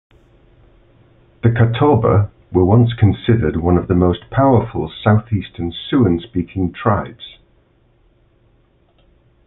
The Catawba were once considered one of the most powerful Southeastern Siouan-speaking tribes.